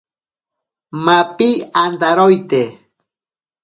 Mapi antaroite.